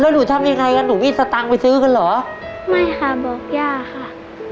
แล้วหนูทำยังไงกันหนูมีสตังค์ไปซื้อกันเหรอไม่ค่ะบอกย่าค่ะ